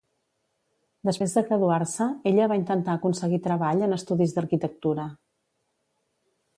Després de graduar-se, ella va intentar aconseguir treball en estudis d'arquitectura.